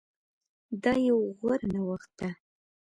دا يو غوره نوښت ده